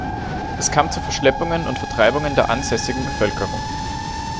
Es kam zu Verschleppungen und Vertreibungen der ansässigen Bevölkerung.